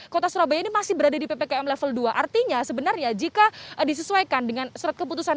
kota surabaya ini masih berada di ppkm level dua artinya sebenarnya jika disesuaikan dengan surat keputusan